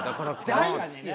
大好きよ！